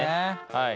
はい。